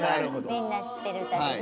みんな知ってる歌でね。